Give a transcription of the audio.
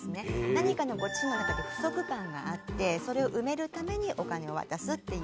何かのこっちの中で不足感があってそれを埋めるためにお金を渡すっていう。